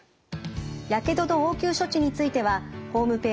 やけどと応急処置についてはホームページ